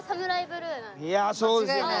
いやあそうですよね。